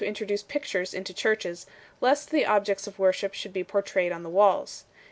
introduce pictures into churches, lest the objects of worship should be portrayed on the walls.